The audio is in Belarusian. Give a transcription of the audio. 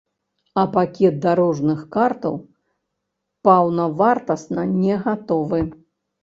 А пакет дарожных картаў паўнавартасна не гатовы.